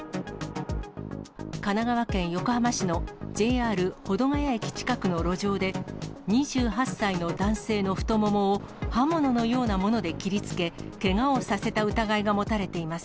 神奈川県横浜市のＪＲ保土ケ谷駅近くの路上で、２８歳の男性の太ももを刃物のようなもので切りつけ、けがをさせた疑いが持たれています。